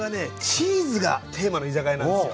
チーズがテーマの居酒屋なんですよ。